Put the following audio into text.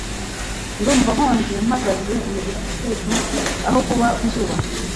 Ndumva nkonje mpagaze mu gicucu, aho kuba ku zuba.